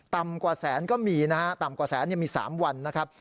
ต่ำกว่าแสนก็มีต่ำกว่าแสนยังมี๓วัน